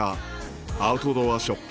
アウトドアショップ